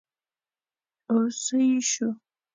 اوس سيي شو!